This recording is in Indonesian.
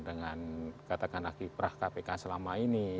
dengan katakanlah kiprah kpk selama ini